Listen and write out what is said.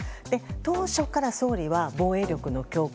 当初から総理は、防衛力の強化